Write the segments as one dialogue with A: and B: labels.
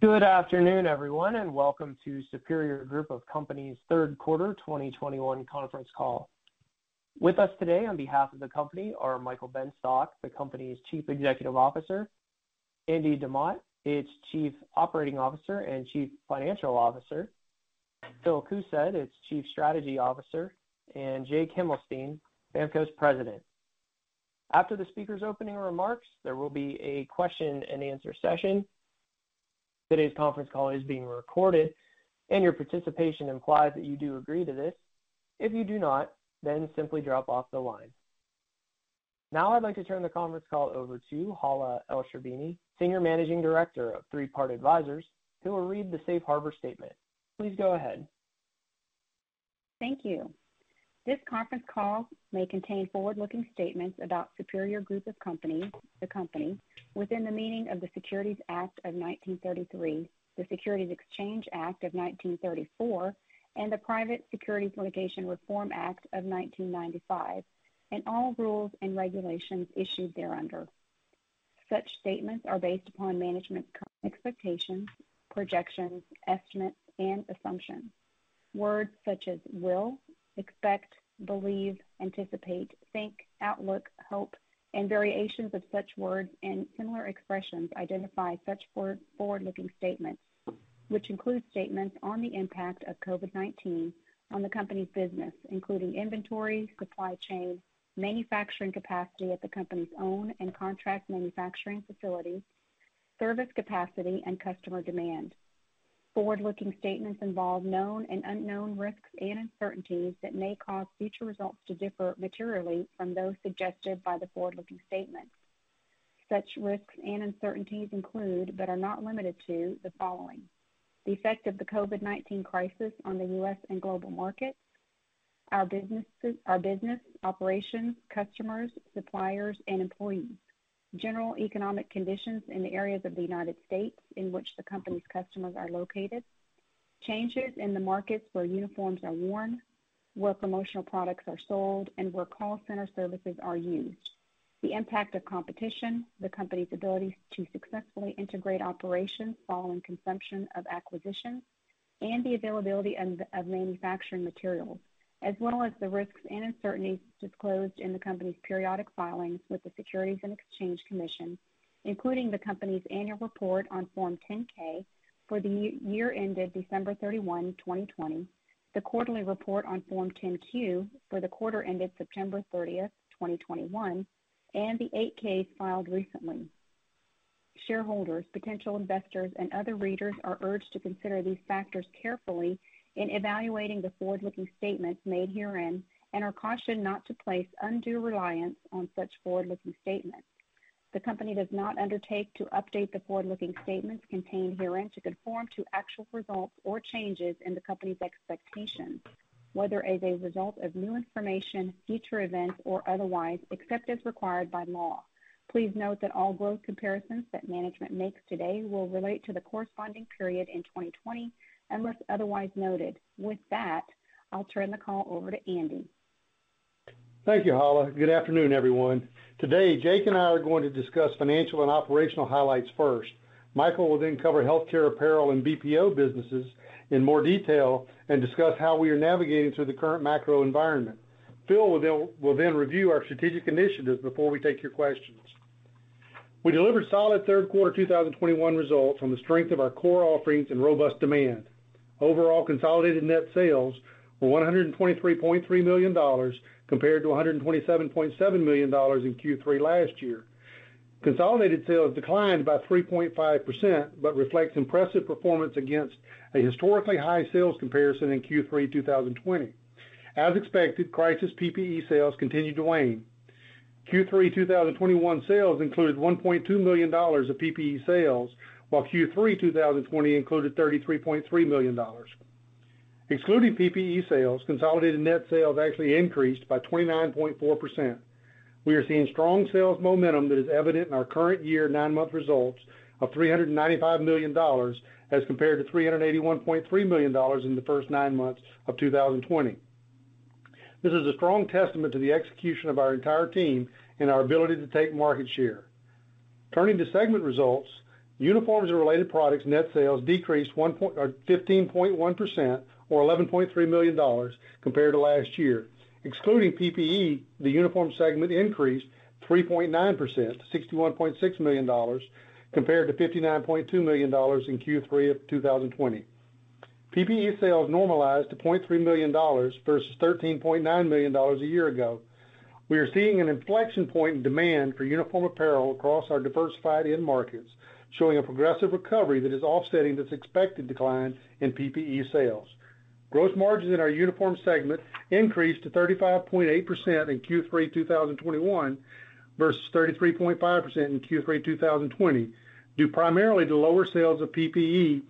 A: Good afternoon, everyone, and welcome to Superior Group of Companies Q3 2021 conference call. With us today on behalf of the company are Michael Benstock, the company's Chief Executive Officer, Andrew Demott, its Chief Operating Officer and Chief Financial Officer, Phil Koosed, its Chief Strategy Officer, and Jake Himelstein, BAMKO's President. After the speakers' opening remarks, there will be a question-and-answer session. Today's conference call is being recorded, and your participation implies that you do agree to this. If you do not, then simply drop off the line. Now I'd like to turn the conference call over to Hala Elsherbini, Senior Managing Director of Three Part Advisors, who will read the safe harbor statement. Please go ahead.
B: Thank you. This conference call may contain forward-looking statements about Superior Group of Companies, the company, within the meaning of the Securities Act of 1933, the Securities Exchange Act of 1934, and the Private Securities Litigation Reform Act of 1995, and all rules and regulations issued thereunder. Such statements are based upon management's current expectations, projections, estimates and assumptions. Words such as will, expect, believe, anticipate, think, outlook, help, and variations of such words and similar expressions identify such forward-looking statements, which include statements on the impact of COVID-19 on the company's business, including inventory, supply chain, manufacturing capacity at the company's own and contract manufacturing facilities, service capacity, and customer demand. Forward-looking statements involve known and unknown risks and uncertainties that may cause future results to differ materially from those suggested by the forward-looking statements. Such risks and uncertainties include but are not limited to the following. The effect of the COVID-19 crisis on the U.S. and global markets, our businesses, our business operations, customers, suppliers and employees. General economic conditions in the areas of the United States in which the company's customers are located. Changes in the markets where uniforms are worn, where promotional products are sold, and where call center services are used. The impact of competition, the company's ability to successfully integrate operations following consummation of acquisitions, and the availability of manufacturing materials, as well as the risks and uncertainties disclosed in the company's periodic filings with the Securities and Exchange Commission, including the company's annual report on Form 10-K for the year ended 31 December 2020, the quarterly report on Form 10-Q for the quarter ended 30 September 2021, and the 8-K filed recently. Shareholders, potential investors and other readers are urged to consider these factors carefully in evaluating the forward-looking statements made herein and are cautioned not to place undue reliance on such forward-looking statements. The company does not undertake to update the forward-looking statements contained herein to conform to actual results or changes in the company's expectations, whether as a result of new information, future events, or otherwise, except as required by law. Please note that all growth comparisons that management makes today will relate to the corresponding period in 2020, unless otherwise noted. With that, I'll turn the call over to Andrew.
C: Thank you, Hala. Good afternoon, everyone. Today, Jake and I are going to discuss financial and operational highlights first. Michael will then cover healthcare, apparel and BPO businesses in more detail and discuss how we are navigating through the current macro environment. Phil will then review our strategic initiatives before we take your questions. We delivered solid Q3 2021 results from the strength of our core offerings and robust demand. Overall, consolidated net sales were $123.3 million compared to $127.7 million in Q3 last year. Consolidated sales declined by 3.5% but reflects impressive performance against a historically high sales comparison in Q3 2020. As expected, crisis PPE sales continued to wane. Q3 2021 sales included $1.2 million of PPE sales, while Q3 2020 included $33.3 million. Excluding PPE sales, consolidated net sales actually increased by 29.4%. We are seeing strong sales momentum that is evident in our current year 9-month results of $395 million as compared to $381.3 million in the first 9-months of 2020. This is a strong testament to the execution of our entire team and our ability to take market share. Turning to segment results, uniforms and related products net sales decreased 1% or 15.1% or $11.3 million compared to last year. Excluding PPE, the uniform segment increased 3.9 to $61.6 million compared to $59.2 million in Q3 of 2020. PPE sales normalized to $0.3 million versus $13.9 million a year ago. We are seeing an inflection point in demand for uniform apparel across our diversified end markets, showing a progressive recovery that is offsetting this expected decline in PPE sales. Gross margin in our uniform segment increased to 35.8% in Q3 2021 versus 33.5% in Q3 2020, due primarily to lower sales of PPE,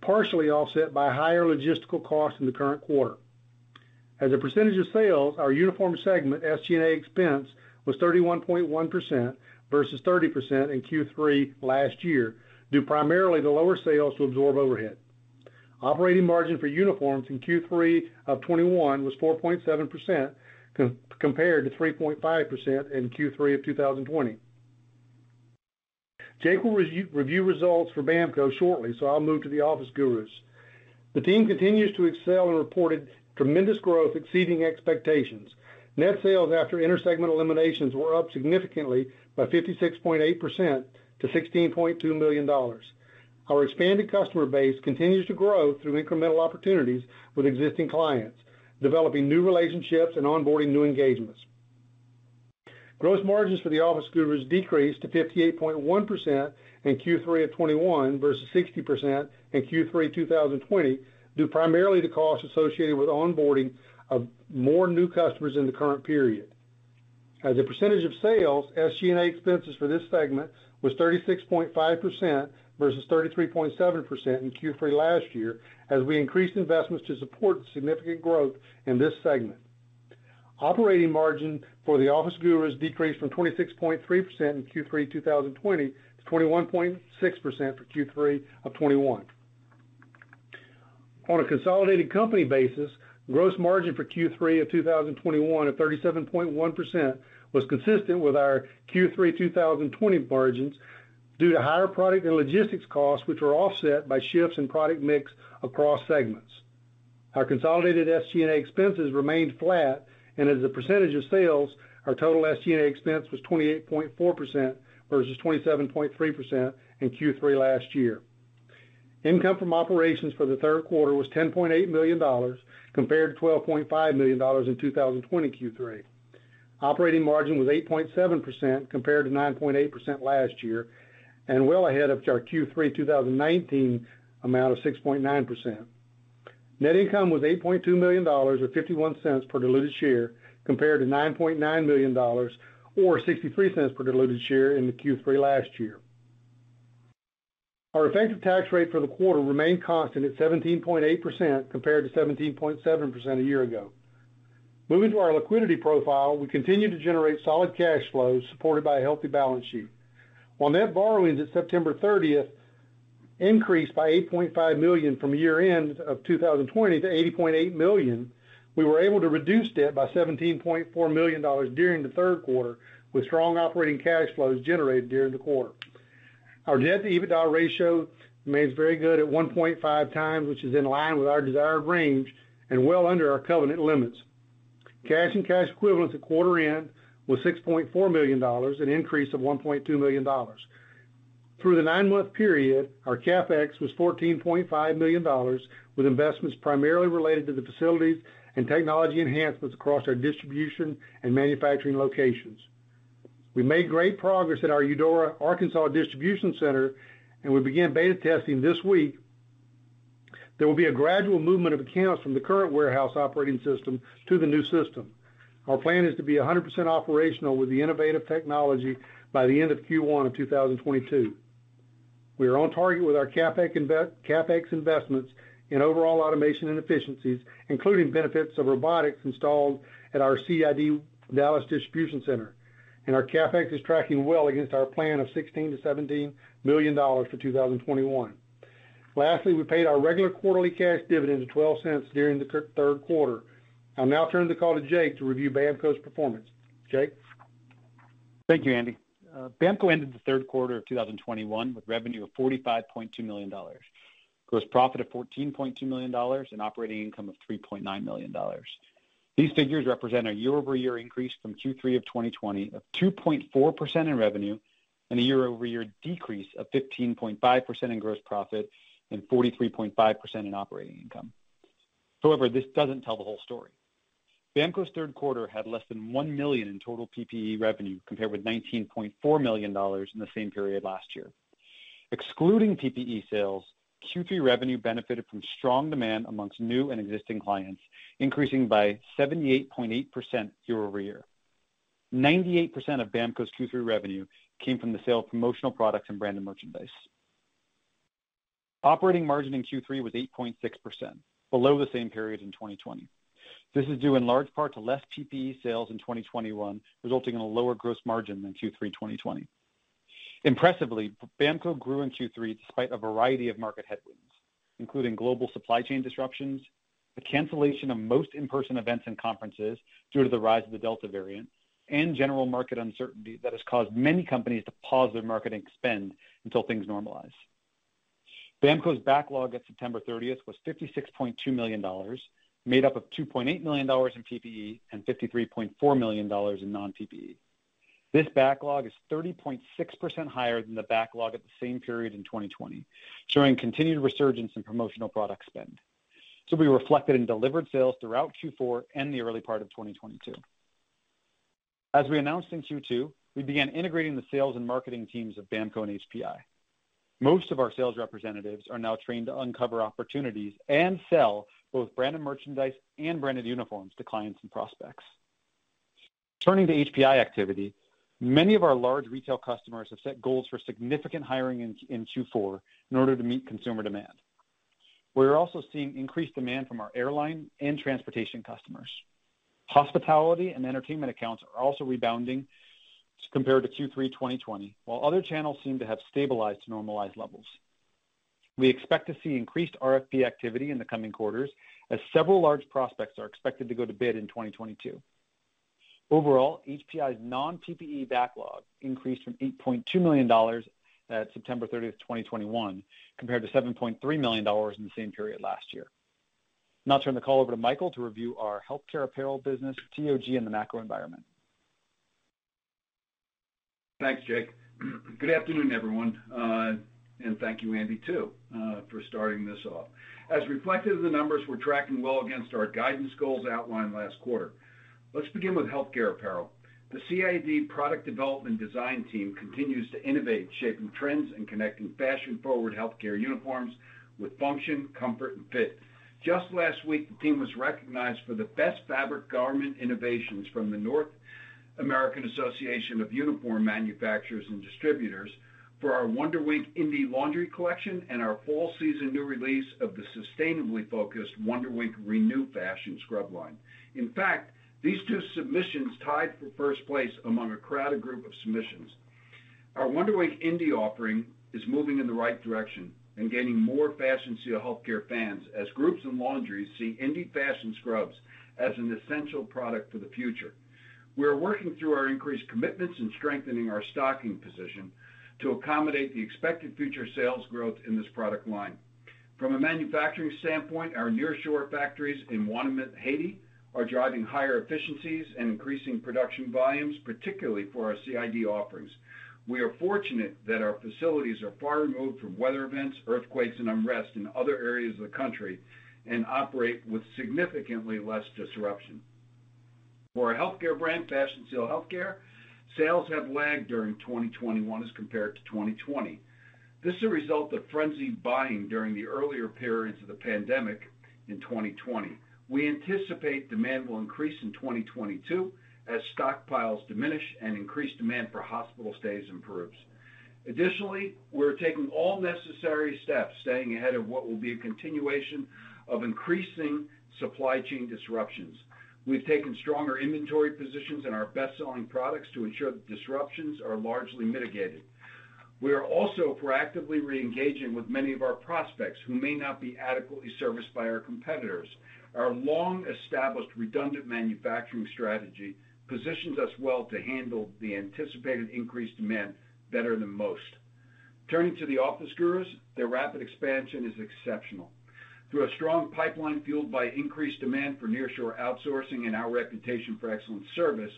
C: partially offset by higher logistical costs in the current quarter. As a percentage of sales, our uniform segment SG&A expense was 31.1% versus 30% in Q3 last year, due primarily to lower sales to absorb overhead. Operating margin for uniforms in Q3 of 2021 was 4.7%, compared to 3.5% in Q3 of 2020. Jake will review results for Bamko shortly, so I'll move to The Office Gurus. The team continues to excel and reported tremendous growth exceeding expectations. Net sales after intersegment eliminations were up significantly by 56.8% to $16.2 million. Our expanded customer base continues to grow through incremental opportunities with existing clients, developing new relationships and onboarding new engagements. Gross margins for The Office Gurus decreased to 58.1% in Q3 of 2021 versus 60% in Q3 2020, due primarily to costs associated with onboarding of more new customers in the current period. As a percentage of sales, SG&A expenses for this segment was 36.5% versus 33.7% in Q3 last year, as we increased investments to support significant growth in this segment. Operating margin for The Office Gurus decreased from 26.3% in Q3 2020 to 21.6% for Q3 of 2021. On a consolidated company basis, gross margin for Q3 of 2021 at 37.1% was consistent with our Q3 2020 margins due to higher product and logistics costs, which were offset by shifts in product mix across segments. Our consolidated SG&A expenses remained flat, and as a percentage of sales, our total SG&A expense was 28.4% versus 27.3% in Q3 last year. Income from operations for the Q3 was $10.8 million compared to $12.5 million in 2020 Q3. Operating margin was 8.7% compared to 9.8% last year, and well ahead of our Q3 2019 amount of 6.9%. Net income was $8.2 million or $0.51 per diluted share, compared to $9.9 million or $0.63 per diluted share in the Q3 last year. Our effective tax rate for the quarter remained constant at 17.8% compared to 17.7% a year ago. Moving to our liquidity profile, we continue to generate solid cash flows supported by a healthy balance sheet. While net borrowings at 30 September increased by $8.5 million from year-end of 2020 to $80.8 million, we were able to reduce debt by $17.4 million during the Q3 with strong operating cash flows generated during the quarter. Our debt to EBITDA ratio remains very good at 1.5 times, which is in line with our desired range and well under our covenant limits. Cash and cash equivalents at quarter end was $6.4 million, an increase of $1.2 million. Through the 9-month period, our CapEx was $14.5 million, with investments primarily related to the facilities and technology enhancements across our distribution and manufacturing locations. We made great progress at our Eudora, Arkansas distribution center, and we began beta testing this week. There will be a gradual movement of accounts from the current warehouse operating system to the new system. Our plan is to be 100% operational with the innovative technology by the end of Q1 of 2022. We are on target with our CapEx investments in overall automation and efficiencies, including benefits of robotics installed at our CID Dallas distribution center. Our CapEx is tracking well against our plan of $16 to 17 million for 2021. Lastly, we paid our regular quarterly cash dividend of $0.12 during the Q3. I'll now turn the call to Jake to review Bamko's performance. Jake.
D: Thank you, Andy. BAMKO ended the Q3 of 2021 with revenue of $45.2 million, gross profit of $14.2 million, and operating income of $3.9 million. These figures represent a year-over-year increase from Q3 of 2020 of 2.4% in revenue, and a year-over-year decrease of 15.5% in gross profit and 43.5% in operating income. However, this doesn't tell the whole story. BAMKO's Q3 had less than $1 million in total PPE revenue, compared with $19.4 million in the same period last year. Excluding PPE sales, Q3 revenue benefited from strong demand among new and existing clients, increasing by 78.8% year-over-year. 98% of BAMKO's Q3 revenue came from the sale of promotional products and branded merchandise. Operating margin in Q3 was 8.6%, below the same period in 2020. This is due in large part to less PPE sales in 2021, resulting in a lower gross margin than Q3 2020. Impressively, BAMKO grew in Q3 despite a variety of market headwinds, including global supply chain disruptions, the cancellation of most in-person events and conferences due to the rise of the Delta variant, and general market uncertainty that has caused many companies to pause their marketing spend until things normalize. BAMKO's backlog at 30 September was $56.2 million, made up of $2.8 million in PPE and $53.4 million in non-PPE. This backlog is 30.6% higher than the backlog at the same period in 2020, showing continued resurgence in promotional product spend, to be reflected in delivered sales throughout Q4 and the early part of 2022. As we announced in Q2, we began integrating the sales and marketing teams of BAMKO and HPI. Most of our sales representatives are now trained to uncover opportunities and sell both branded merchandise and branded uniforms to clients and prospects. Turning to HPI activity, many of our large retail customers have set goals for significant hiring in Q4 in order to meet consumer demand. We are also seeing increased demand from our airline and transportation customers. Hospitality and entertainment accounts are also rebounding compared to Q3 2020, while other channels seem to have stabilized to normalized levels. We expect to see increased RFP activity in the coming quarters as several large prospects are expected to go to bid in 2022. Overall, HPI's non-PPE backlog increased from $8.2 million at 30 September 2021, compared to $7.3 million in the same period last year. Now I'll turn the call over to Michael to review our healthcare apparel business, TOG and the macro environment.
E: Thanks, Jake. Good afternoon, everyone, and thank you, Andy, too, for starting this off. As reflected in the numbers, we're tracking well against our guidance goals outlined last quarter. Let's begin with healthcare apparel. The CID product development design team continues to innovate, shaping trends and connecting fashion-forward healthcare uniforms with function, comfort and fit. Just last week, the team was recognized for the best fabric garment innovations from the North American Association of Uniform Manufacturers and Distributors for our WonderWink Indy laundry collection and our fall season new release of the sustainably focused WonderWink Renew fashion scrub line. In fact, these two submissions tied for first place among a crowded group of submissions. Our WonderWink Indy offering is moving in the right direction and gaining more Fashion Seal Healthcare fans as groups and laundries see Indy fashion scrubs as an essential product for the future. We are working through our increased commitments and strengthening our stocking position to accommodate the expected future sales growth in this product line. From a manufacturing standpoint, our nearshore factories in Ouanaminthe, Haiti, are driving higher efficiencies and increasing production volumes, particularly for our CID offerings. We are fortunate that our facilities are far removed from weather events, earthquakes and unrest in other areas of the country and operate with significantly less disruption. For our healthcare brand, Fashion Seal Healthcare, sales have lagged during 2021 as compared to 2020. This is a result of frenzied buying during the earlier periods of the pandemic in 2020. We anticipate demand will increase in 2022 as stockpiles diminish and increased demand for hospital stays improves. Additionally, we're taking all necessary steps, staying ahead of what will be a continuation of increasing supply chain disruptions. We've taken stronger inventory positions in our best-selling products to ensure that disruptions are largely mitigated. We are also proactively re-engaging with many of our prospects who may not be adequately serviced by our competitors. Our long-established redundant manufacturing strategy positions us well to handle the anticipated increased demand better than most. Turning to The Office Gurus, their rapid expansion is exceptional. Through a strong pipeline fueled by increased demand for nearshore outsourcing and our reputation for excellent service,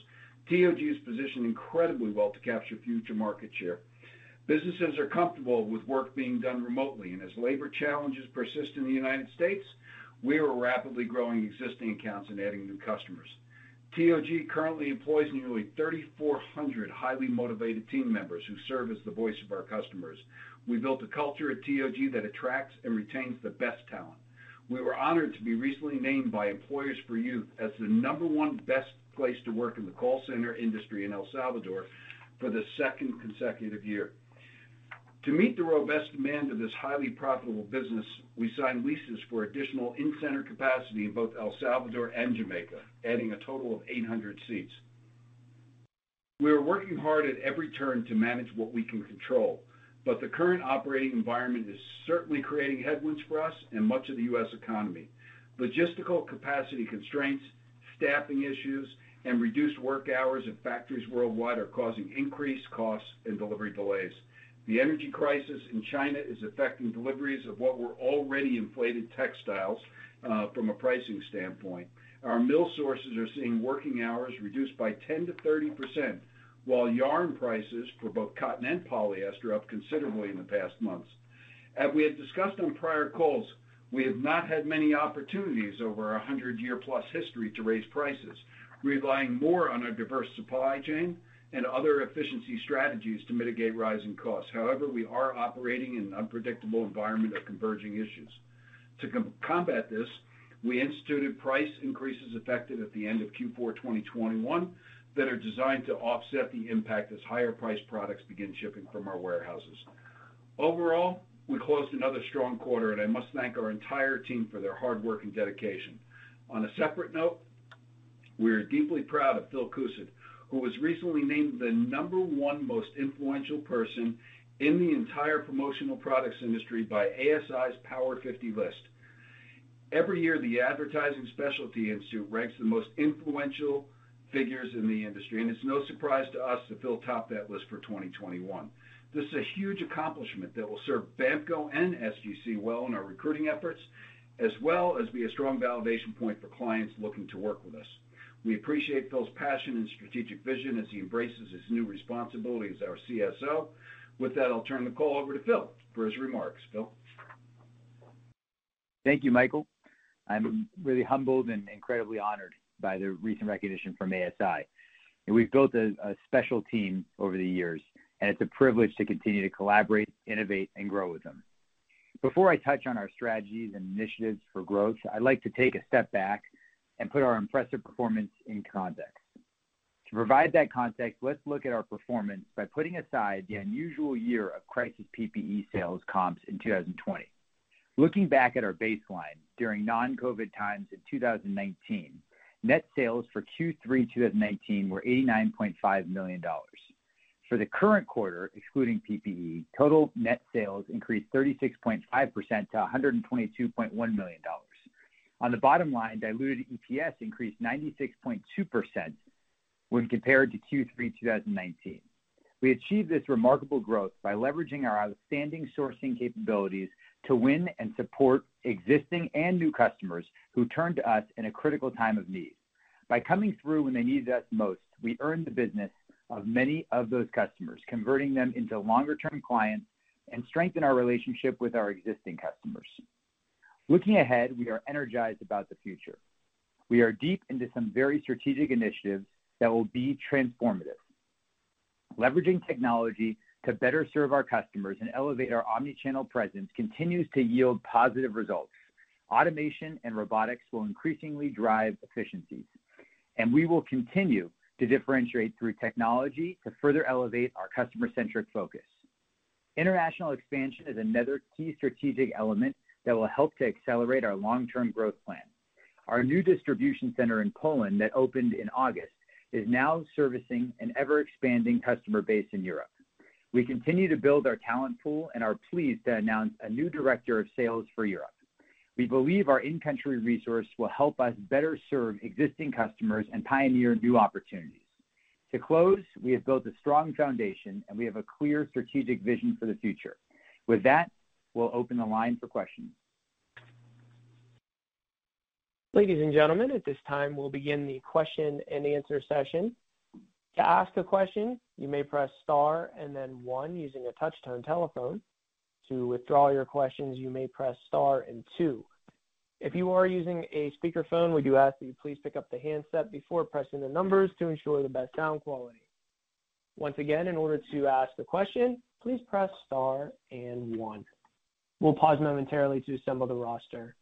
E: TOG is positioned incredibly well to capture future market share. Businesses are comfortable with work being done remotely, and as labor challenges persist in the United States, we are rapidly growing existing accounts and adding new customers. TOG currently employs nearly 3,400 highly motivated team members who serve as the voice of our customers. We built a culture at TOG that attracts and retains the best talent. We were honored to be recently named by Employers for Youth as the number one best place to work in the call center industry in El Salvador for the second consecutive year. To meet the robust demand of this highly profitable business, we signed leases for additional in-center capacity in both El Salvador and Jamaica, adding a total of 800 seats. We are working hard at every turn to manage what we can control, but the current operating environment is certainly creating headwinds for us and much of the U.S. economy. Logistical capacity constraints, staffing issues, and reduced work hours at factories worldwide are causing increased costs and delivery delays. The energy crisis in China is affecting deliveries of what were already inflated textiles, from a pricing standpoint. Our mill sources are seeing working hours reduced by 10 to 30%, while yarn prices for both cotton and polyester are up considerably in the past months. As we had discussed on prior calls, we have not had many opportunities over our 100-year-plus history to raise prices. We're relying more on our diverse supply chain and other efficiency strategies to mitigate rising costs. However, we are operating in an unpredictable environment of converging issues. To combat this, we instituted price increases effective at the end of Q4 2021 that are designed to offset the impact as higher priced products begin shipping from our warehouses. Overall, we closed another strong quarter, and I must thank our entire team for their hard work and dedication. On a separate note, we are deeply proud of Phil Koosed, who was recently named the number 1 most influential person in the entire promotional products industry by ASI's Power 50 list. Every year, the Advertising Specialty Institute ranks the most influential figures in the industry, and it's no surprise to us that Phil topped that list for 2021. This is a huge accomplishment that will serve BAMKO and SGC well in our recruiting efforts, as well as be a strong validation point for clients looking to work with us. We appreciate Phil's passion and strategic vision as he embraces his new responsibility as our CSO. With that, I'll turn the call over to Phil for his remarks. Phil?
F: Thank you, Michael. I'm really humbled and incredibly honored by the recent recognition from ASI. We've built a special team over the years, and it's a privilege to continue to collaborate, innovate, and grow with them. Before I touch on our strategies and initiatives for growth, I'd like to take a step back and put our impressive performance in context. To provide that context, let's look at our performance by putting aside the unusual year of crisis PPE sales comps in 2020. Looking back at our baseline during non-COVID times in 2019, net sales for Q3 2019 were $89.5 million. For the current quarter, excluding PPE, total net sales increased 36.5% to $122.1 million. On the bottom line, diluted EPS increased 96.2% when compared to Q3 2019. We achieved this remarkable growth by leveraging our outstanding sourcing capabilities to win and support existing and new customers who turned to us in a critical time of need. By coming through when they needed us most, we earned the business of many of those customers, converting them into longer term clients and strengthen our relationship with our existing customers. Looking ahead, we are energized about the future. We are deep into some very strategic initiatives that will be transformative. Leveraging technology to better serve our customers and elevate our omni-channel presence continues to yield positive results. Automation and robotics will increasingly drive efficiencies, and we will continue to differentiate through technology to further elevate our customer-centric focus. International expansion is another key strategic element that will help to accelerate our long-term growth plan. Our new distribution center in Poland that opened in August is now servicing an ever-expanding customer base in Europe. We continue to build our talent pool and are pleased to announce a new director of sales for Europe. We believe our in-country resource will help us better serve existing customers and pioneer new opportunities. To close, we have built a strong foundation, and we have a clear strategic vision for the future. With that, we'll open the line for questions.
A: Ladies and gentlemen, at this time, we'll begin the question-and-answer session. To ask a question, you may press star and then one using a touch-tone telephone. To withdraw your questions, you may press star and two. If you are using a speakerphone, we do ask that you please pick up the handset before pressing the numbers to ensure the best sound quality. Once again, in order to ask a question, please press star and one. We'll pause momentarily to assemble the roster.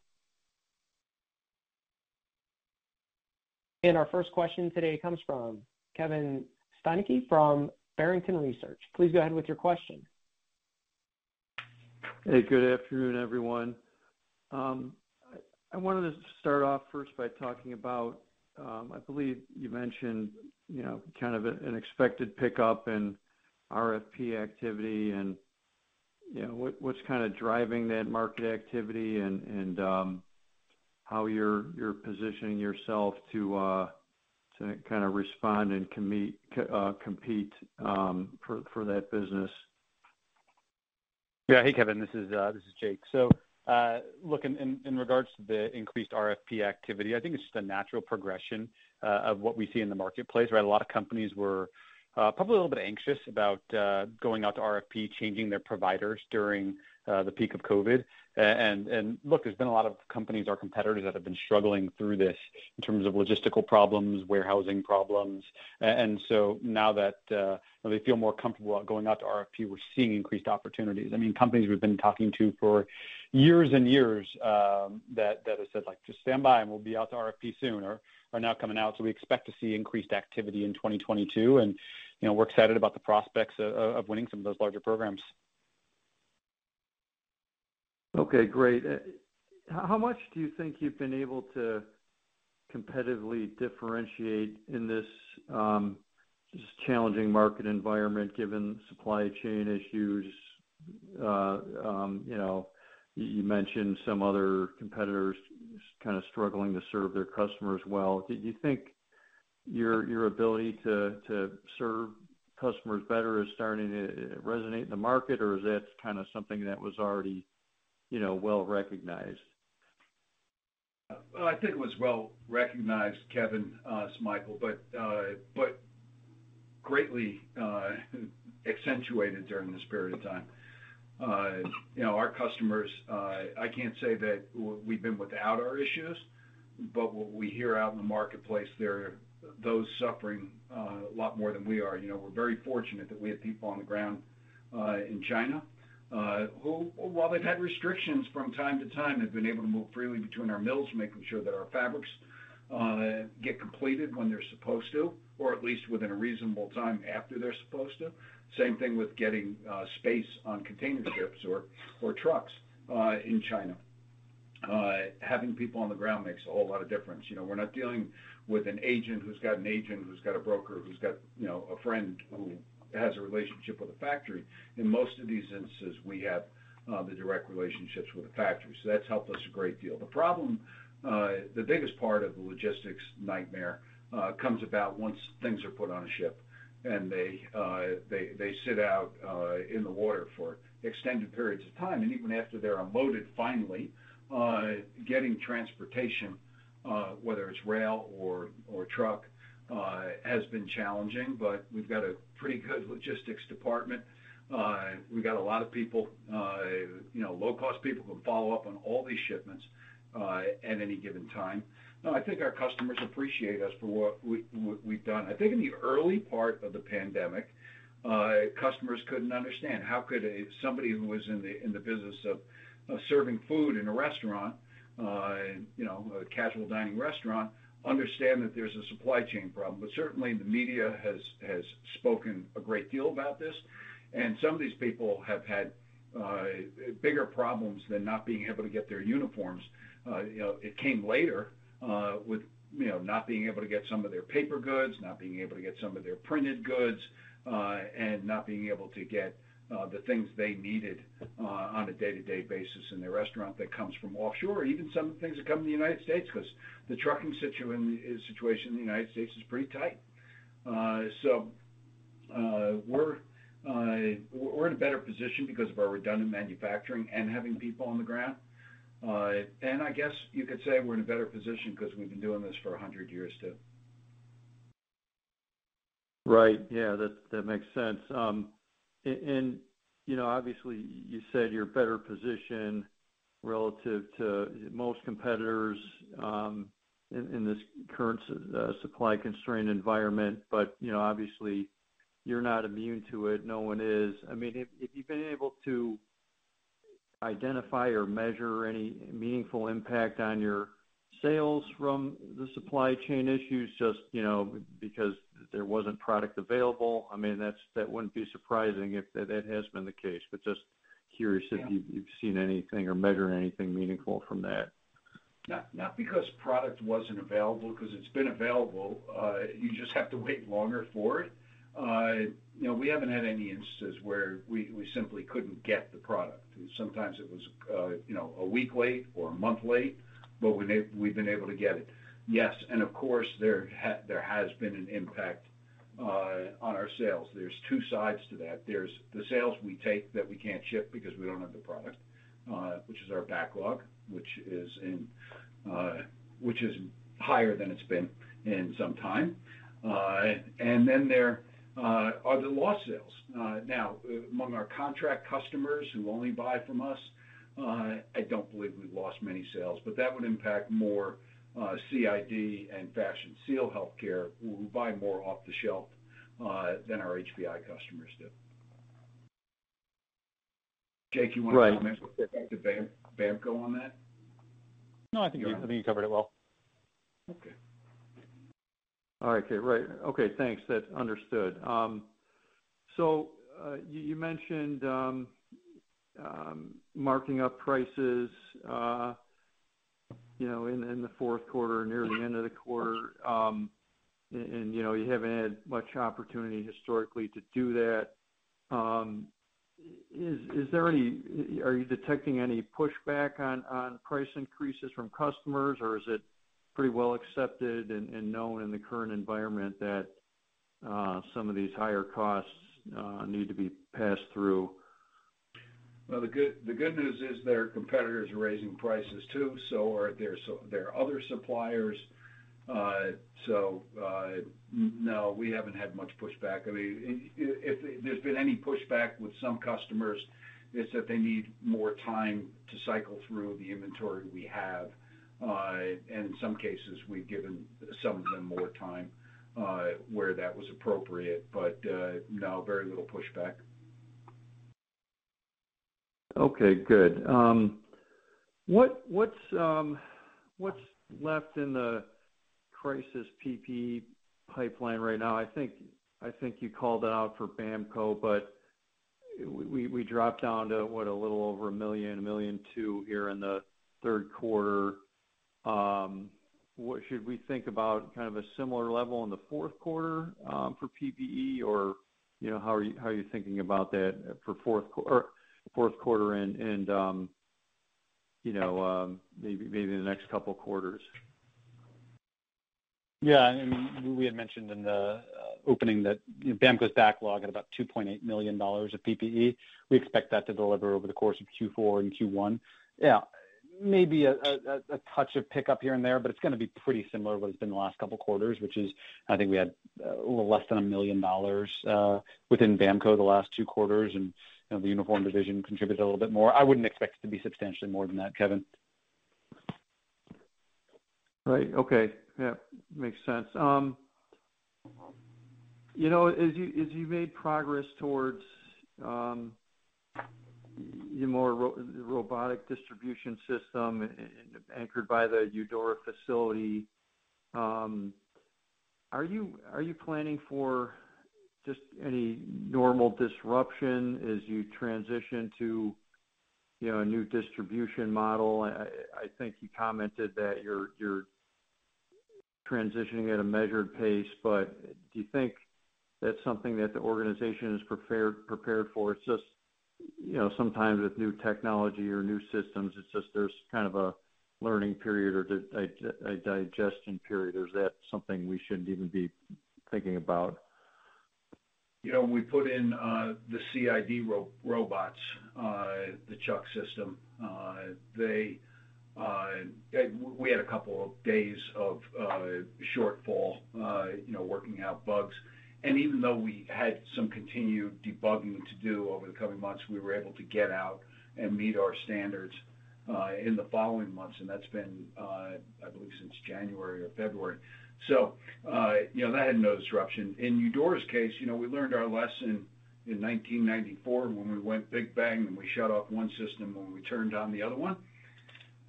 A: Our first question today comes from Kevin Steinke from Barrington Research. Please go ahead with your question.
G: Hey, good afternoon, everyone. I wanted to start off first by talking about, I believe you mentioned, you know, kind of an expected pickup in RFP activity and, you know, what's kind of driving that market activity and how you're positioning yourself to kind of respond and compete for that business.
D: Yeah. Hey, Kevin, this is Jake. Look, in regard to the increased RFP activity, I think it's just a natural progression of what we see in the marketplace, right? A lot of companies were probably a little bit anxious about going out to RFP, changing their providers during the peak of COVID. Look, there's been a lot of companies or competitors that have been struggling through this in terms of logistical problems, warehousing problems. Now that they feel more comfortable going out to RFP, we're seeing increased opportunities. I mean, companies we've been talking to for years and years that have said, like, "Just stand by, and we'll be out to RFP soon," are now coming out. We expect to see increased activity in 2022. You know, we're excited about the prospects of winning some of those larger programs.
G: Okay, great. How much do you think you've been able to competitively differentiate in this challenging market environment, given supply chain issues? You know, you mentioned some other competitors kind of struggling to serve their customers well. Do you think your ability to serve customers better is starting to resonate in the market, or is that kind of something that was already, you know, well-recognized?
F: I think it was well-recognized, Kevin, Michael, but greatly accentuated during this period of time. You know, our customers, I can't say that we've been without our issues, but what we hear out in the marketplace, there are those suffering a lot more than we are. You know, we're very fortunate that we have people on the ground in China who, while they've had restrictions from time to time, have been able to move freely between our mills, making sure that our fabrics get completed when they're supposed to, or at least within a reasonable time after they're supposed to. Same thing with getting space on container ships or trucks in China. Having people on the ground makes a whole lot of difference. You know, we're not dealing with an agent who's got an agent, who's got a broker, who's got, you know, a friend who has a relationship with a factory. In most of these instances, we have the direct relationships with the factory, so that's helped us a great deal. The problem, the biggest part of the logistics nightmare, comes about once things are put on a ship and they sit out in the water for extended periods of time. Even after they're unloaded finally, getting transportation, whether it's rail or truck, has been challenging. We've got a pretty good logistics department. We've got a lot of people.
E: You know, low cost people who follow up on all these shipments at any given time. No, I think our customers appreciate us for what we've done. I think in the early part of the pandemic, customers couldn't understand how could somebody who was in the business of serving food in a restaurant, you know, a casual dining restaurant, understand that there's a supply chain problem. Certainly the media has spoken a great deal about this, and some of these people have had bigger problems than not being able to get their uniforms. You know, it came later with you know, not being able to get some of their paper goods, not being able to get some of their printed goods, and not being able to get the things they needed on a day-to-day basis in their restaurant that comes from offshore or even some of the things that come to the United States, cause the trucking situation in the United States is pretty tight. We're in a better position because of our redundant manufacturing and having people on the ground. I guess you could say we're in a better position cause we've been doing this for 100 years too.
G: Right. Yeah. That makes sense. You know, obviously you said you're better positioned relative to most competitors, in this current supply constrained environment. You know, obviously you're not immune to it. No one is. I mean, if you've been able to identify or measure any meaningful impact on your sales from the supply chain issues, just you know, because there wasn't product available, I mean that wouldn't be surprising if that has been the case. Just curious
E: Yeah
G: If you've seen anything or measuring anything meaningful from that.
E: Not because product wasn't available, cause it's been available. You just have to wait longer for it. We haven't had any instances where we simply couldn't get the product. Sometimes it was a week late or a month late, but we've been able to get it. Yes, of course, there has been an impact on our sales. There's two sides to that. There's the sales we take that we can't ship because we don't have the product, which is our backlog, which is higher than it's been in some time. Then there are the lost sales. Now among our contract customers who only buy from us, I don't believe we've lost many sales, but that would impact more CID and Fashion Seal Healthcare who buy more off the shelf than our HPI customers do. Jake, you wanna comment.
G: Right
E: with respect to BAMKO on that?
D: No, I think you covered it well.
E: Okay.
G: All right. Okay. Right. Okay, thanks. That's understood. You mentioned marking up prices, you know, in the Q4 or near the end of the quarter. You know, you haven't had much opportunity historically to do that. Are you detecting any pushback on price increases from customers, or is it pretty well accepted and known in the current environment that some of these higher costs need to be passed through?
E: Well, the good news is their competitors are raising prices too, so are their other suppliers. No, we haven't had much pushback. I mean, if there's been any pushback with some customers, it's that they need more time to cycle through the inventory we have. And in some cases, we've given some of them more time where that was appropriate. No, very little pushback.
G: Okay, good. What's left in the crisis PPE pipeline right now? I think you called it out for BAMKO, but we dropped down to what? A little over $1 million, $1.2 million here in the Q3. Should we think about kind of a similar level in the Q4 for PPE or, you know, how are you thinking about that for Q4 and, you know, maybe in the next couple quarters?
D: Yeah. I mean, we had mentioned in the opening that BAMKO's backlog at about $2.8 million of PPE. We expect that to deliver over the course of Q4 and Q1. Yeah, maybe a touch of pickup here and there, but it's gonna be pretty similar to what it's been the last couple quarters, which is I think we had a little less than $1 million within BAMKO the last two quarters. You know, the uniform division contributed a little bit more. I wouldn't expect it to be substantially more than that, Kevin.
G: Right. Okay. Yeah. Makes sense. You know, as you made progress towards your more robotic distribution system anchored by the Eudora facility, are you planning for just any normal disruption as you transition to, you know, a new distribution model? I think you commented that you're transitioning at a measured pace, but do you think that's something that the organization is prepared for? It's just, you know, sometimes with new technology or new systems, it's just there's kind of a learning period or a digestion period. Or is that something we shouldn't even be thinking about?
E: You know, when we put in the CID robots, the Chuck system. We had a couple of days of shortfall, you know, working out bugs. Even though we had some continued debugging to do over the coming months, we were able to get out and meet our standards in the following months. That's been, I believe, since January or February. You know, that had no disruption. In Eudora's case, you know, we learned our lesson in 1994 when we went big bang, and we shut off one system when we turned on the other one.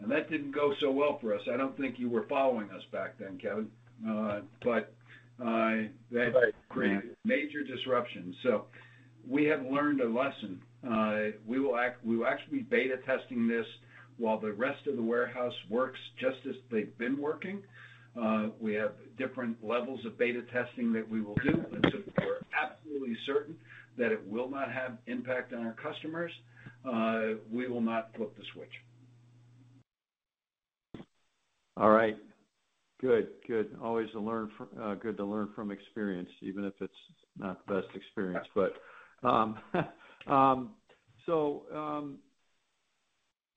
E: That didn't go so well for us. I don't think you were following us back then, Kevin. But that.
G: Right.
E: Created major disruption. We have learned a lesson. We will actually be beta testing this while the rest of the warehouse works just as they've been working. We have different levels of beta testing that we will do. Until we're absolutely certain that it will not have impact on our customers, we will not flip the switch.
G: All right. Good, good. Always good to learn from experience, even if it's not the best experience.
E: Yeah.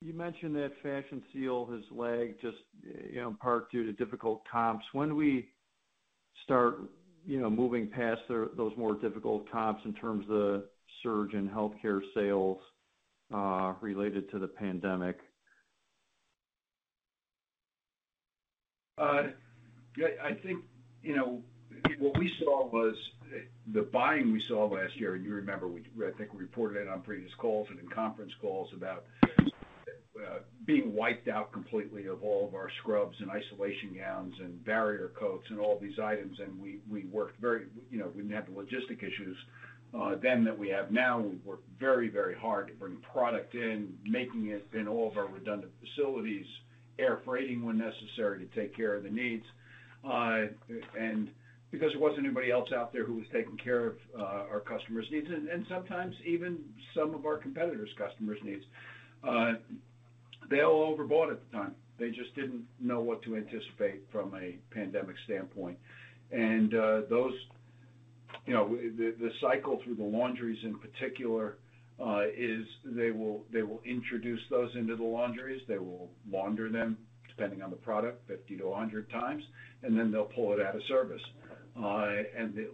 G: you mentioned that Fashion Seal has lagged just, you know, in part due to difficult comps. When do we start, you know, moving past those more difficult comps in terms of the surge in healthcare sales, related to the pandemic?
E: I think, you know, what we saw was the buying we saw last year. You remember, I think we reported it on previous calls and in conference calls about being wiped out completely of all of our scrubs and isolation gowns and barrier coats and all these items. You know, we didn't have the logistics issues then that we have now. We worked very, very hard to bring product in, making it in all of our redundant facilities, air freighting when necessary to take care of the needs. Because there wasn't anybody else out there who was taking care of our customers' needs and sometimes even some of our competitors' customers' needs. They all overbought at the time. They just didn't know what to anticipate from a pandemic standpoint. You know, the cycle through the laundries in particular is they will introduce those into the laundries. They will launder them, depending on the product, 50-100 times, and then they'll pull it out of service. A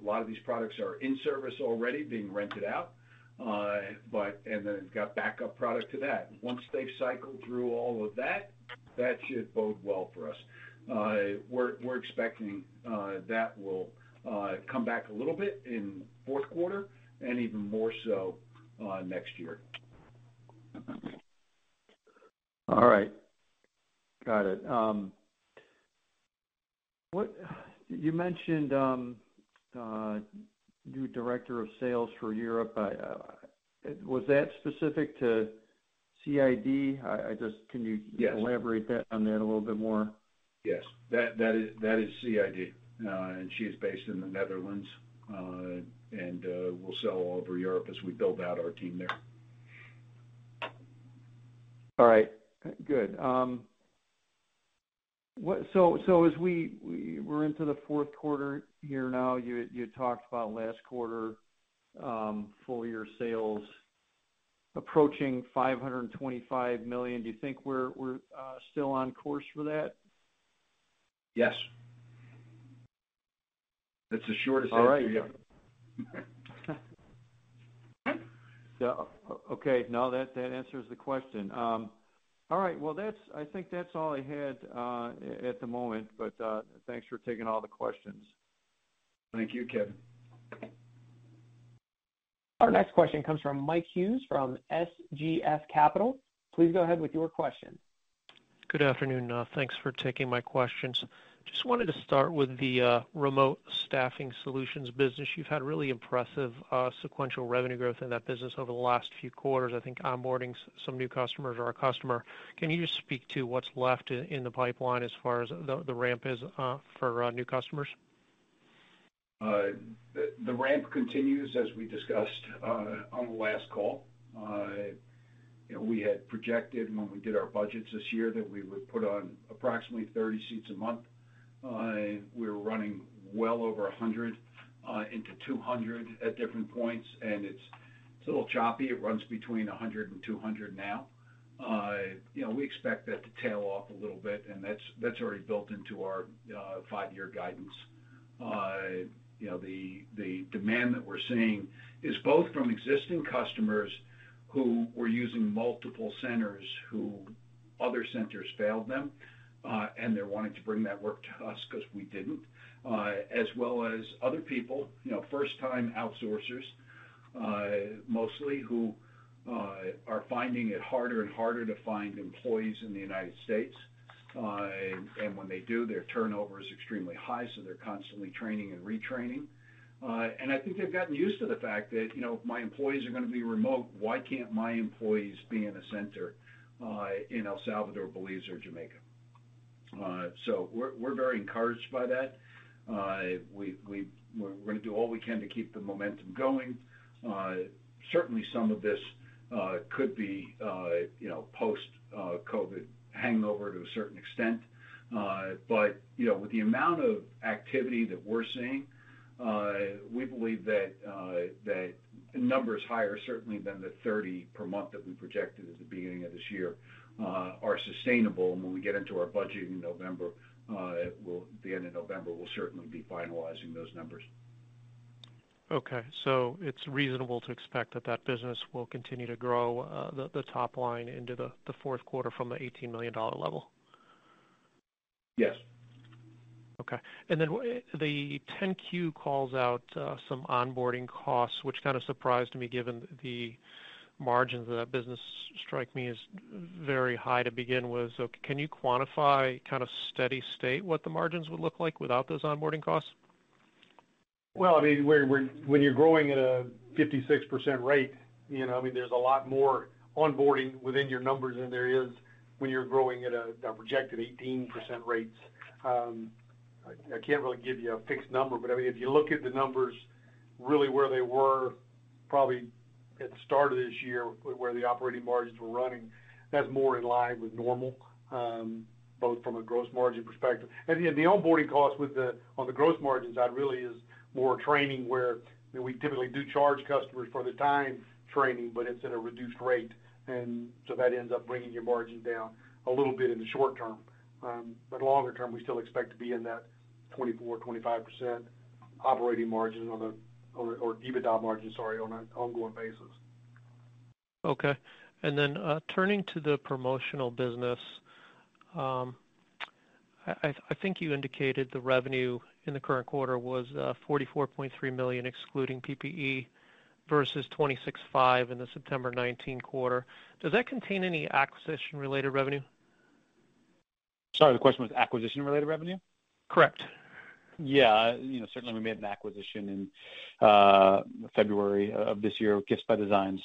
E: lot of these products are in service already being rented out. We've got backup product to that. Once they've cycled through all of that should bode well for us. We're expecting that will come back a little bit in Q4 and even more so next year.
G: All right. Got it. What you mentioned, new director of sales for Europe. Was that specific to CID? I just
E: Yes.
G: Can you elaborate on that a little bit more?
E: Yes. That is CID. She is based in the Netherlands and will sell all over Europe as we build out our team there.
G: All right. Good. As we're into the Q4 here now, you talked about last quarter, full year sales approaching $525 million. Do you think we're still on course for that?
E: Yes. That's the shortest answer.
G: All right.
E: Yeah.
G: Okay, no, that answers the question. All right, well, I think that's all I had at the moment, but thanks for taking all the questions.
E: Thank you, Kevin.
A: Our next question comes from Mike Hughes from SGF Capital. Please go ahead with your question.
H: Good afternoon. Thanks for taking my questions. Just wanted to start with the remote staffing solutions business. You've had really impressive sequential revenue growth in that business over the last few quarters. I think onboarding some new customers or a customer. Can you just speak to what's left in the pipeline as far as the ramp is for new customers?
E: The ramp continues as we discussed on the last call. You know, we had projected when we did our budgets this year that we would put on approximately 30 seats a month. We're running well over 100 into 200 at different points, and it's a little choppy. It runs between 100 and 200 now. You know, we expect that to tail off a little bit, and that's already built into our five-year guidance. You know, the demand that we're seeing is both from existing customers who were using multiple centers where other centers failed them, and they're wanting to bring that work to us cause we didn't. As well as other people, you know, first-time outsourcers, mostly who are finding it harder and harder to find employees in the United States. When they do, their turnover is extremely high, so they're constantly training and retraining. I think they've gotten used to the fact that, you know, my employees are gonna be remote. Why can't my employees be in a center in El Salvador, Belize, or Jamaica? We're very encouraged by that. We're gonna do all we can to keep the momentum going. Certainly, some of this could be, you know, post COVID. Hangover to a certain extent. You know, with the amount of activity that we're seeing, we believe that the numbers are higher certainly than the 30 per month that we projected at the beginning of this year, are sustainable. When we get into our budgeting in November, it will be the end of November, we'll certainly be finalizing those numbers. Okay. It's reasonable to expect that business will continue to grow the top line into the Q4 from the $18 million level?
C: Yes.
H: Okay. Then the 10-Q calls out some onboarding costs, which kind of surprised me given the margins of that business strike me as very high to begin with. So, can you quantify, kind of steady state, what the margins would look like without those onboarding costs?
C: Well, I mean, when you're growing at a 56% rate, you know, I mean, there's a lot more onboarding within your numbers than there is when you're growing at a projected 18% rate. I can't really give you a fixed number, but I mean, if you look at the numbers really where they were probably at the start of this year, where the operating margins were running, that's more in line with normal, both from a gross margin perspective. You know, the onboarding cost on the gross margins side really is more training where, you know, we typically do charge customers for the time training, but it's at a reduced rate. That ends up bringing your margin down a little bit in the short term. Longer term, we still expect to be in that 24 to 25% operating margin or EBITDA margin, sorry, on an ongoing basis.
H: Okay. Turning to the promotional business, I think you indicated the revenue in the current quarter was $44.3 million, excluding PPE, versus $26.5 million in the September 2019 quarter. Does that contain any acquisition-related revenue?
D: Sorry, the question was acquisition-related revenue?
H: Correct.
D: Yeah. You know, certainly we made an acquisition in February of this year with Gifts By Design.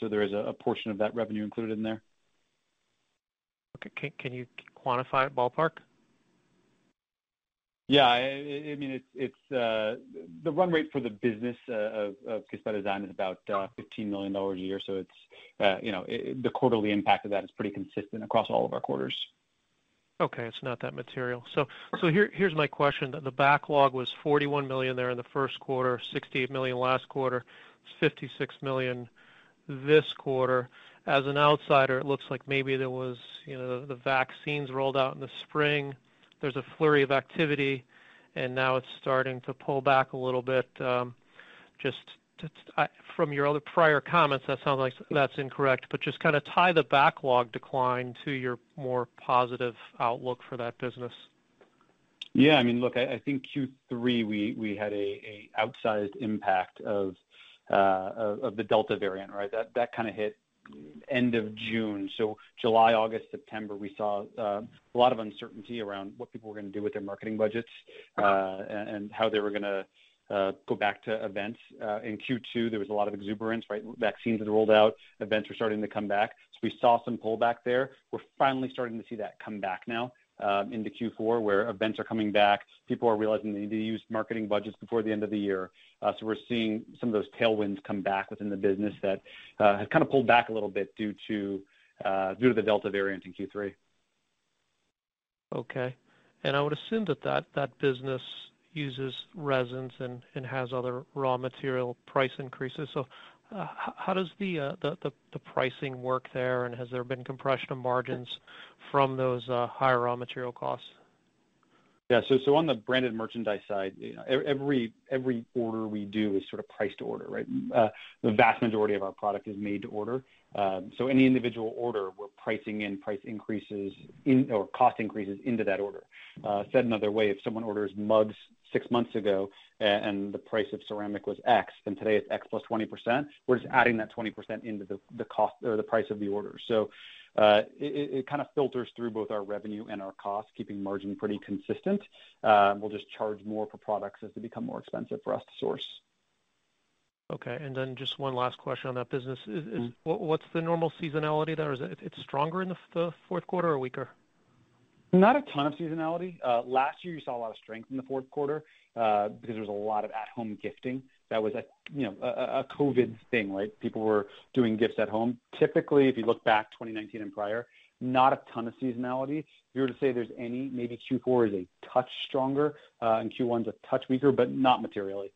D: There is a portion of that revenue included in there.
H: Okay. Can you quantify it, ballpark?
D: Yeah. I mean, it's the run rate for the business of Gifts By Design is about $15 million a year. It's you know, the quarterly impact of that is pretty consistent across all of our quarters.
H: Okay. It's not that material. Here, here's my question. The backlog was $41 million there in the Q1, $68 million last quarter, $56 million this quarter. As an outsider, it looks like maybe there was, you know, the vaccines rolled out in the spring. There's a flurry of activity, and now it's starting to pull back a little bit. From your other prior comments, that sounds like that's incorrect, but just kinda tie the backlog decline to your more positive outlook for that business.
D: Yeah. I mean, look, I think Q3, we had an outsized impact of the Delta variant, right? That kinda hit end of June. July, August, September, we saw a lot of uncertainty around what people were gonna do with their marketing budgets, and how they were gonna go back to events. In Q2, there was a lot of exuberance, right? Vaccines had rolled out, events were starting to come back. We saw some pullback there. We're finally starting to see that come back now into Q4, where events are coming back. People are realizing they need to use marketing budgets before the end of the year. We're seeing some of those tailwinds come back within the business that had kinda pulled back a little bit due to the Delta variant in Q3.
H: Okay. I would assume that business uses resins and has other raw material price increases. How does the pricing work there, and has there been compression of margins from those higher raw material costs?
D: So, on the branded merchandise side, you know, every order we do is sort of priced to order, right? The vast majority of our product is made to order. Any individual order, we're pricing in price increases or cost increases into that order. Said another way, if someone orders mugs six months ago and the price of ceramic was X, and today it's X plus 20%, we're just adding that 20% into the cost or the price of the order. It kinda filters through both our revenue and our cost, keeping margin pretty consistent. We'll just charge more for products as they become more expensive for us to source.
H: Okay. Just one last question on that business. What's the normal seasonality there? Is it stronger in the Q4 or weaker?
D: Not a ton of seasonality. Last year you saw a lot of strength in the Q4, because there was a lot of at-home gifting. That was a, you know, COVID thing, right? People were doing gifts at home. Typically, if you look back 2019 and prior, not a ton of seasonality. If you were to say there's any, maybe Q4 is a touch stronger, and Q1's a touch weaker, but not materially.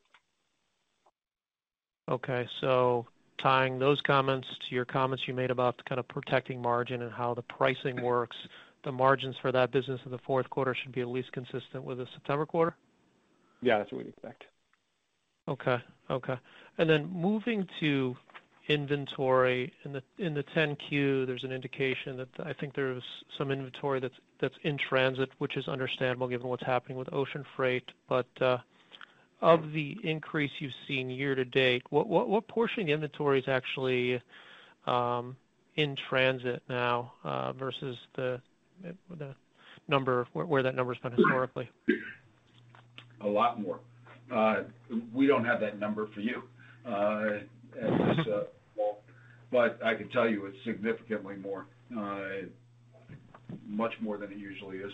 H: Okay. Tying those comments to your comments you made about kind of protecting margin and how the pricing works, the margins for that business in the Q4 should be at least consistent with the September quarter?
D: Yeah, that's what we'd expect.
H: Okay. Moving to inventory. In the 10-Q, there's an indication that I think there's some inventory that's in transit, which is understandable given what's happening with ocean freight. Of the increase you've seen year to date, what portion of inventory is actually in transit now, versus the number, where that number's been historically?
C: A lot more. We don't have that number for you at this moment. I can tell you it's significantly more. Much more than it usually is.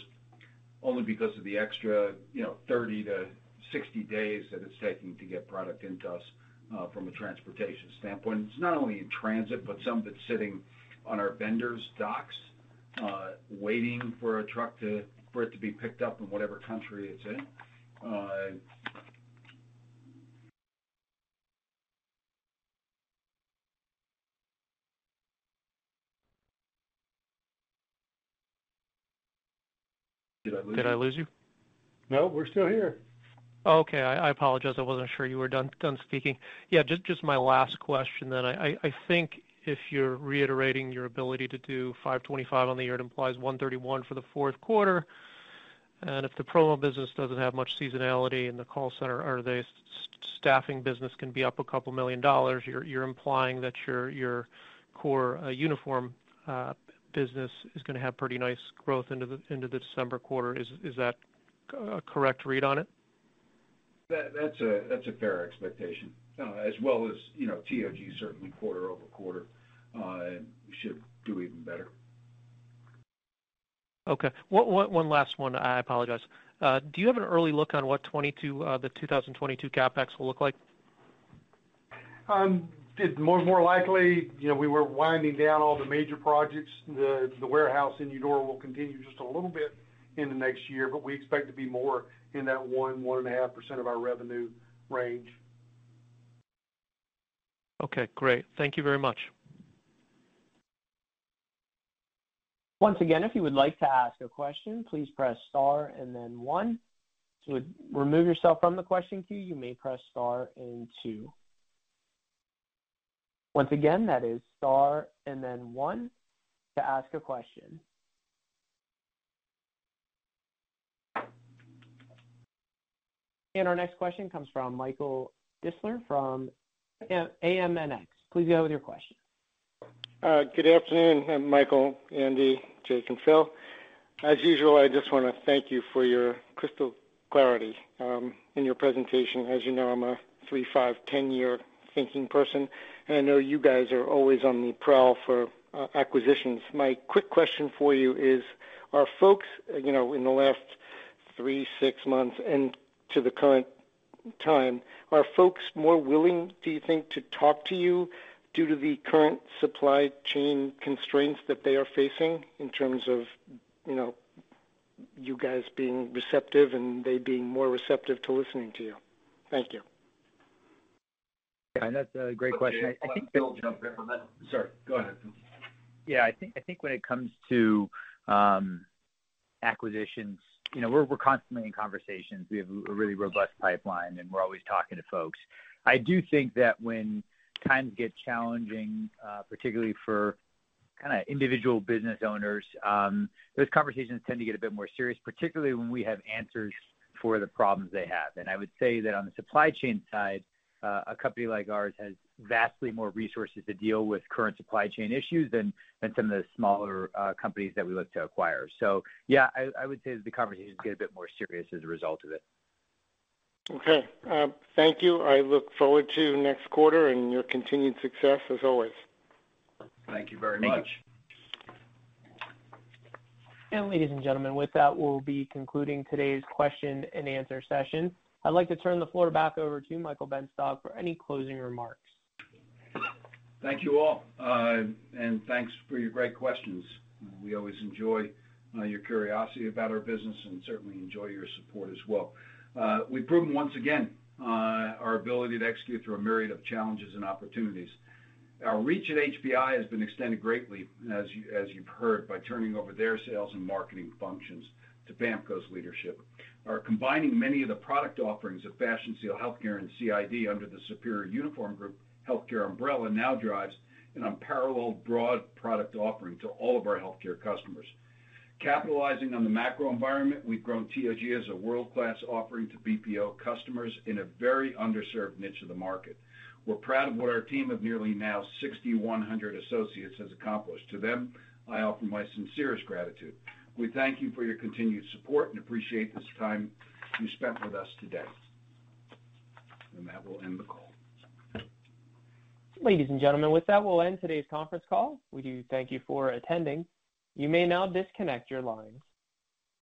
E: Only because of the extra, you know, 30 to 60 days that it's taking to get product into us from a transportation standpoint. It's not only in transit, but some of its sitting on our vendors' docks waiting for a truck for it to be picked up in whatever country it's in. Did I lose you?
H: Did I lose you?
E: No, we're still here.
H: Okay. I apologize. I wasn't sure you were done speaking. Just my last question then. I think if you're reiterating your ability to do $525 on the year, it implies $131 for the Q4. If the promo business doesn't have much seasonality and the call center or the staffing business can be up $2 million, you're implying that your core uniform business is gonna have pretty nice growth into the December quarter. Is that a correct read on it?
E: That's a fair expectation. As well as, you know, TOG certainly quarter-over-quarter should do even better.
H: Okay. One last one. I apologize. Do you have an early look on what 2022 CapEx will look like?
E: It more likely, you know, we were winding down all the major projects. The warehouse in Eudora will continue just a little bit in the next year, but we expect to be more in that 1.5% of our revenue range.
H: Okay, great. Thank you very much.
A: Our next question comes from Michael Distler from AMNX. Please go with your question.
I: Good afternoon. I'm Michael, Andy, Jake and Phil. As usual, I just wanna thank you for your crystal clarity in your presentation. As you know, I'm a 3-5-10-year thinking person, and I know you guys are always on the prowl for acquisitions. My quick question for you is, are folks, you know, in the last 3, 6 months and to the current time, are folks more willing, do you think, to talk to you due to the current supply chain constraints that they are facing in terms of, you know, you guys being receptive and they being more receptive to listening to you? Thank you.
F: Yeah. That's a great question. I think.
E: Okay. I'll let Phil jump in from that. Sorry, go ahead, Phil.
F: Yeah. I think when it comes to acquisitions, you know, we're constantly in conversations. We have a really robust pipeline, and we're always talking to folks. I do think that when times get challenging, particularly for kinda individual business owners, those conversations tend to get a bit more serious, particularly when we have answers for the problems they have. I would say that on the supply chain side, a company like ours has vastly more resources to deal with current supply chain issues than some of the smaller companies that we look to acquire. Yeah, I would say the conversations get a bit more serious as a result of it.
I: Okay. Thank you. I look forward to next quarter and your continued success as always.
E: Thank you very much.
F: Thank you.
A: Ladies and gentlemen, with that, we'll be concluding today's question and answer session. I'd like to turn the floor back over to Michael Benstock for any closing remarks.
E: Thank you all, and thanks for your great questions. We always enjoy your curiosity about our business and certainly enjoy your support as well. We've proven once again our ability to execute through a myriad of challenges and opportunities. Our reach at HPI has been extended greatly, as you've heard, by turning over their sales and marketing functions to BAMKO's leadership. Our combining many of the product offerings of Fashion Seal Healthcare and CID under the Superior Uniform Group Healthcare umbrella now drives an unparalleled broad product offering to all of our healthcare customers. Capitalizing on the macro environment, we've grown TOG as a world-class offering to BPO customers in a very underserved niche of the market. We're proud of what our team of nearly 6,100 associates has accomplished. To them, I offer my sincerest gratitude. We thank you for your continued support and appreciate this time you spent with us today. That will end the call.
A: Ladies and gentlemen, with that, we'll end today's conference call. We do thank you for attending. You may now disconnect your lines.